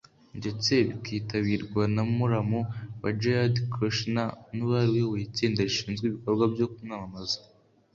ndetse bikitabirwa na muramu we Jared Kushner n’uwari uyoboye itsinda rishinzwe ibikorwa byo kumwamamaza